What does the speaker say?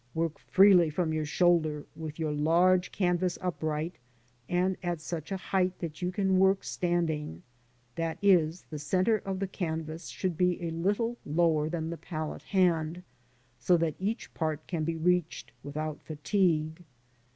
Work freely from your shoulder, with your large canvas upright and at such a height that you can work standing — that is, the centre of the canvas should be a little lower than the palette hand, so that each part can be reached without fatigue.